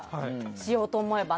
しようと思えば。